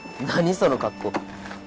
その格好。